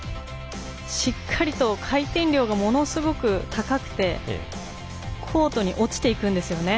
しっかりと回転量がものすごく高くてコートに落ちていくんですよね。